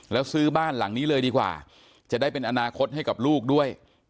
แล้วซื้อบ้านหลังนี้เลยดีกว่าจะได้เป็นอนาคตให้กับลูกด้วย